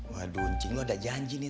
waduh cing lu udah janji nih